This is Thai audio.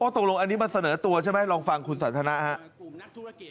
ตรงรวมอันนี้มันเสนอตัวใช่ไหมลองฟังคุณสันทนาฮะ